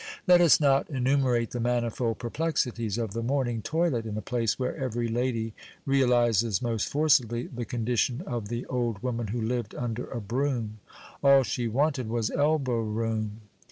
Let us not enumerate the manifold perplexities of the morning toilet in a place where every lady realizes most forcibly the condition of the old woman who lived under a broom: "All she wanted was elbow room."